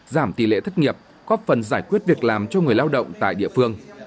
giảm tỷ lệ thất nghiệp góp phần giải quyết việc làm cho người lao động tại địa phương